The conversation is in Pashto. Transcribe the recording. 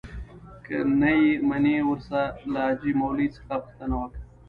که نې منې ورسه له حاجي مولوي څخه پوښتنه وکه.